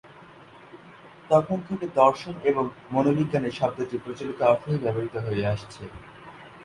তখন থেকে দর্শন এবং মনোবিজ্ঞানে শব্দটি প্রচলিত অর্থেই ব্যবহৃত হয়ে আসছে।